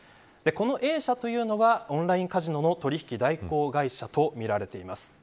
このＡ社というのはオンラインカジノ取引代行会社とみられています。